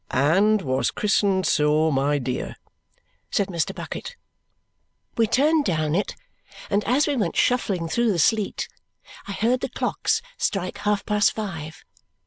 "And was christened so, my dear," said Mr. Bucket. We turned down it, and as we went shuffling through the sleet, I heard the clocks strike half past five.